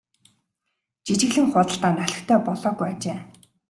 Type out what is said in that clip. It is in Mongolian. Жижиглэн худалдаа нь олигтой болоогүй ажээ.